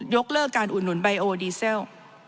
กเลิกการอุดหนุนไบโอดีเซล